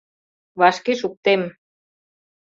Вашке шуктем...